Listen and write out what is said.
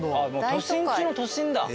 都心中の都心だ。